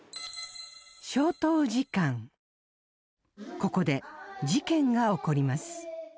ここで事件が起こります